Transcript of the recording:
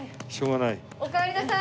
おかえりなさい！